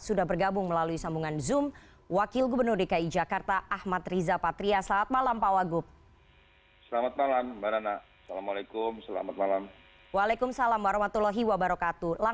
sudah bergabung melalui sambungan zoom wakil gubernur dki jakarta ahmad riza patria